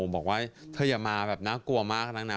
บอกว่าเธออย่ามาแบบน่ากลัวมากนักนะ